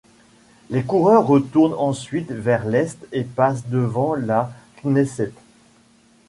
Les coureurs retournent ensuite vers l'est et passent devant la Knesset.